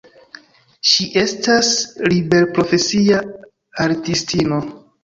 Ŝi estas liberprofesia artistino.